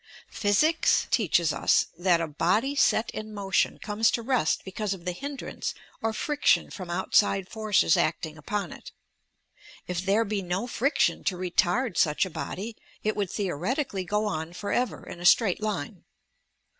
Physics teaches us that a body set in motion comes to rest because of the hindrance or friction from outside forces acting; upon it. If there be no friction to retard such a body it would, theoretically, go on for ever in a straight line.